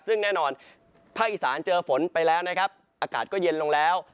ซึ่งแน่นอนภาคอีสานเจอฝนไปแล้วนะครับอากาศก็เย็นลงแล้ว